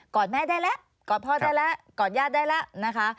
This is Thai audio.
อดแม่ได้แล้วกอดพ่อได้แล้วกอดญาติได้แล้วนะคะ